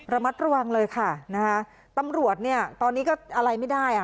ระมัดระวังเลยค่ะตำรวจตอนนี้ก็อะไรไม่ได้